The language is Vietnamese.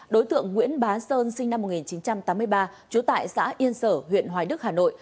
đối tượng nguyễn bá sơn sinh năm một nghìn chín trăm tám mươi ba trú tại xã yên sở huyện hoài đức hà nội